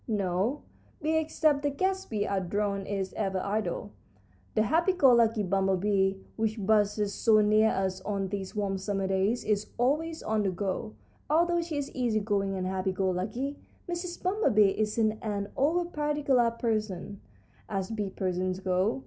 "No bee except the guest bee and drone is ever idle. The happy go lucky bumblebee, which buzzes so near us on these warm summer days, is always on the go, although she is easy going and happy go lucky. Mrs. Bumblebee isn't an over particular person, as bee persons go.